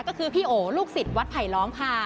ก็คือพี่โอลูกศิษย์วัดไผลล้อมค่ะ